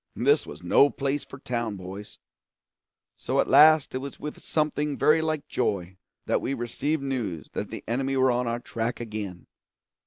This was no place for town boys. So at last it was with something very like joy that we received news that the enemy were on our track again.